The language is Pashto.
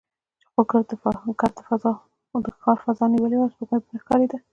خو ګرد د ښار فضا نیولې وه، سپوږمۍ نه ښکارېده.